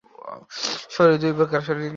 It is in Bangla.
শরীর দুই প্রকার।